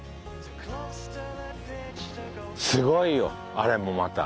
すごいよあれもまた。